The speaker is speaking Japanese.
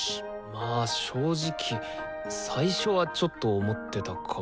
まあ正直最初はちょっと思ってたかも。